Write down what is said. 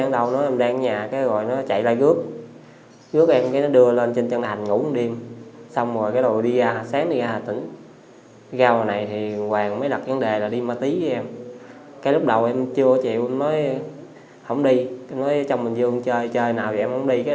lúc đầu em chưa chịu em nói không đi em nói trong bình dương chơi nào em không đi